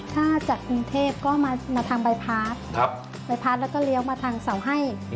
ถ้าจากกรุงเทพก็มาทางบายพาร์ทใบพาร์ทแล้วก็เลี้ยวมาทางเสาให้